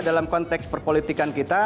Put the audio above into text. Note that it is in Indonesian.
dalam konteks perpolitikan kita